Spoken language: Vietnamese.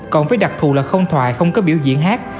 còn với đặc thù là không thoại không có biểu diễn hát